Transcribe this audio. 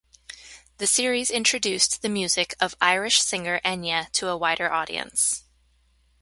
The series introduced the music of Irish singer Enya to a wider audience.